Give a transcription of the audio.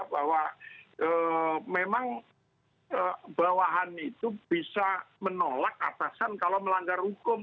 bahwa memang bawahan itu bisa menolak atasan kalau melanggar hukum